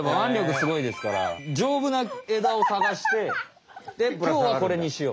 すごいですからじょうぶな枝をさがして「きょうはこれにしよう」。